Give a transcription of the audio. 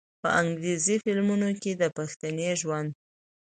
په انګرېزي فلمونو کښې د پښتني ژوند